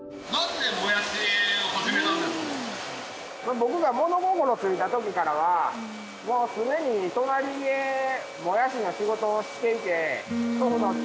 僕が物心ついた時からはもう常に隣でもやしの仕事をしていて。